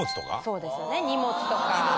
そうですよね荷物とか。